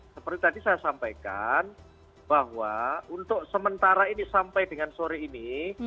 seperti tadi saya sampaikan bahwa untuk sementara ini sampai dengan sore ini